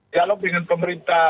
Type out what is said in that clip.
dialog dengan pemerintah